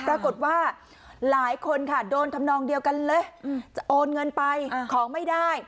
ปรากฏว่าหลายคนค่ะโดนทำนองเดียวกันเลยจะโอนเงินไปของไม่ได้